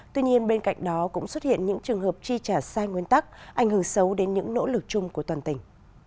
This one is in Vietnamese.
tuy nhiên bên cạnh đó cũng xuất hiện những trường hợp chi trả sai nguyên tắc ảnh hưởng xấu đến những nỗ lực chung của toàn tỉnh